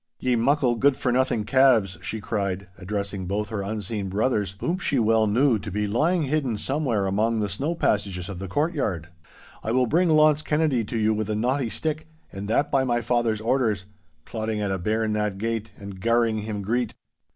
'Ye muckle, good for nothing calves!' she cried, addressing both her unseen brothers, whom she well knew to be lying hidden somewhere among the snow passages of the courtyard, 'I will bring Launce Kennedy to you with a knotty stick, and that by my father's orders—clodding at a bairn that gate, and garring him greet.